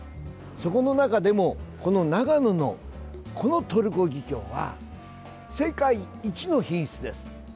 そこの中でも、この長野のこのトルコギキョウは世界一の品質です。